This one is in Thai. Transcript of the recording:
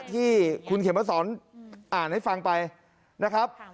ที่คุณเขมสอนอ่านให้ฟังไปนะครับ